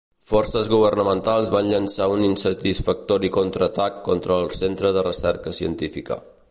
Forces governamentals van llançar un insatisfactori contra-atac contra el Centre de Recerca Científica.